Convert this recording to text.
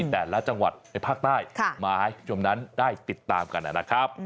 แต่ละจังหวัดในภาคใต้มาให้ชมนั้นได้ติดตามกันนะครับ